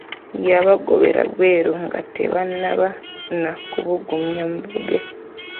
Yabagobera bweru nga tebannaba na kubugumya mbooge.